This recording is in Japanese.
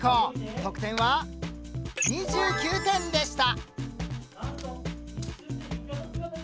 得点は２９点でした。